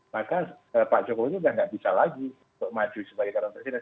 maka pak jokowi udah gak bisa lagi untuk maju sebagai karantina